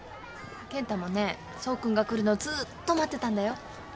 健太もね爽君が来るのをずっと待ってたんだよ。